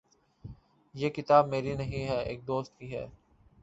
یہ کتاب میری نہیں ہے۔ ایک دوست کی ہے